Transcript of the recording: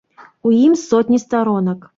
У ім сотні старонак.